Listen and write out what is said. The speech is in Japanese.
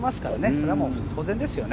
それはもう当然ですよね。